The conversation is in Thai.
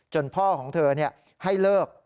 พ่อของเธอให้เลิก